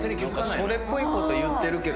それっぽいこと言ってるけど。